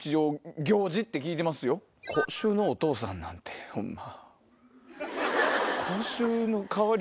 口臭のお父さんなんてホンマ。